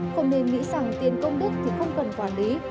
không nên nghĩ rằng tiền công đức thì không cần quản lý